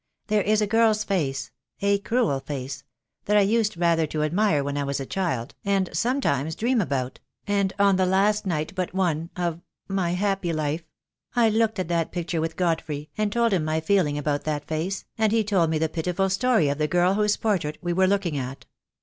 There is a girl's face — a cruel face —that I used rather to admire when I was a child, and sometimes dream about; and on the last night but one — of — my happy life — I looked at that picture with Godfrey, and told him my feeling about that face, and he told me the pitiful story of the girl whose portrait we were looking at.